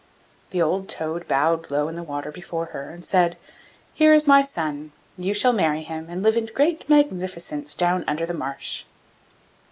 The old toad bowed low in the water before her, and said: 'Here is my son; you shall marry him, and live in great magnificence down under the marsh.